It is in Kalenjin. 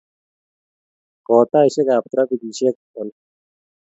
Ko taishek ab trafikishek, ol